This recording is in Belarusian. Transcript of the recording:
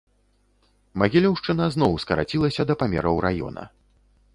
Магілёўшчына зноў скарацілася да памераў раёна.